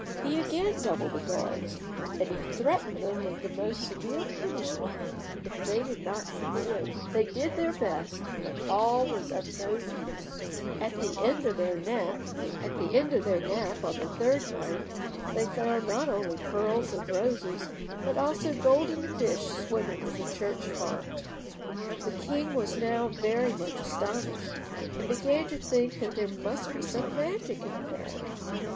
He again doubled the guards, and he threatened them with the most severe punishment if they did not keep awake. They did their best, but all was of no use. At the end of their nap on the third night they found not only pearls and roses, but also golden fish swimming in the church font. The king was now very much astonished, and began to think that there must be some magic in the matter.